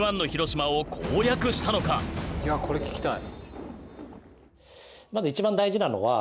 いやこれ聞きたい。